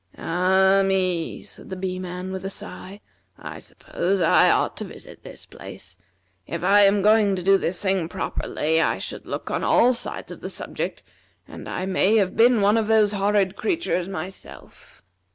"Ah me!" said the Bee man with a sigh, "I suppose I ought to visit this place. If I am going to do this thing properly, I should look on all sides of the subject, and I may have been one of those horrid creatures myself."